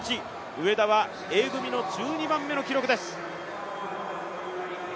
上田はＡ組の１２番目の記録です。